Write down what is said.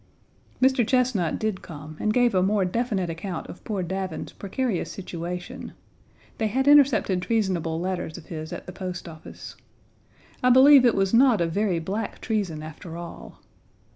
Mr. Chesnut did come, and gave a more definite account of poor Davin's precarious situation. They had intercepted treasonable letters of his at the Post Office. I believe it was not a very black treason after all.